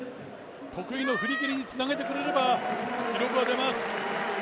得意の振り切りにつなげてくれれば記録は出ます。